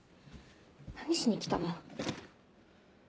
何しに来たの？